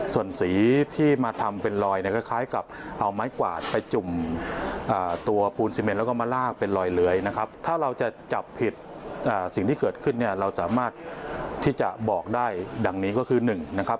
ส่วนสีที่มาทำเป็นลอยเนี่ยคล้ายกับเอาไม้กวาดไปจุ่มตัวปูนซีเมนแล้วก็มาลากเป็นรอยเลื้อยนะครับถ้าเราจะจับผิดสิ่งที่เกิดขึ้นเนี่ยเราสามารถที่จะบอกได้ดังนี้ก็คือหนึ่งนะครับ